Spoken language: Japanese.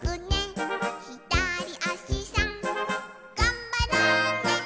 「ひだりあしさんがんばろうね」